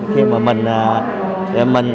khi mà mình